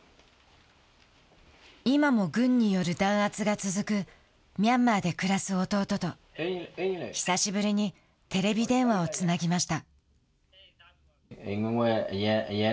今も軍による弾圧が続くミャンマーで暮らす弟と久しぶりにテレビ電話をつなぎました。